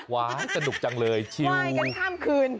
ว้ายสนุกจังเลยชิลว่ายกันข้ามคืน